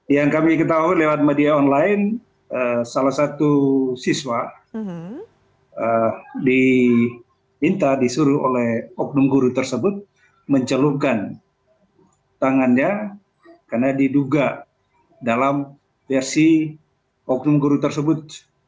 yang kami ketahui lewat media online salah satu siswa diminta disuruh oleh oknum guru tersebut mencelukan tangannya karena diduga dalam versi oknum guru tersebut